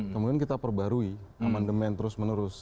kemudian kita perbarui amandemen terus menerus